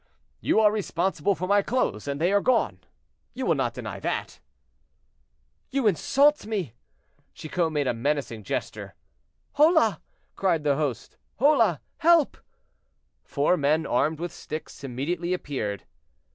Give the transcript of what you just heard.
"You are responsible for my clothes, and they are gone—you will not deny that?" "You insult me." Chicot made a menacing gesture. "Hola!" cried the host; "hola! help!" Four men armed with sticks immediately appeared.